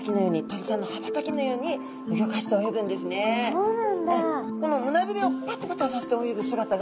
そうなんだ。